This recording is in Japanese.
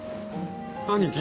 兄貴。